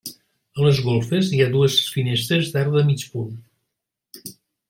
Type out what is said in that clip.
A les golfes hi ha dues finestres d'arc de mig punt.